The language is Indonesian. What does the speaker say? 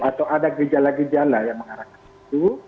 atau ada gejala gejala yang mengarah ke situ